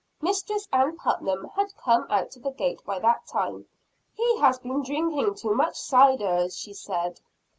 Mistress Ann Putnam had come out to the gate by that time. "He has been drinking too much cider," she said.